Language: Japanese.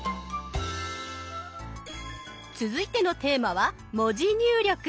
続いてのテーマは「文字入力」。